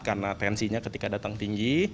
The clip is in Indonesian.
karena tensinya ketika datang tinggi